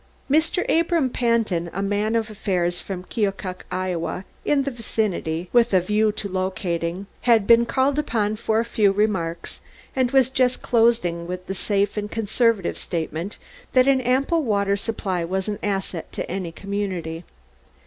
Mr. Abram Pantin, a man of affairs from Keokuk, Iowa, in the vicinity with a view to locating, had been called upon for a few remarks and was just closing with the safe and conservative statement that an ample water supply was an asset to any community.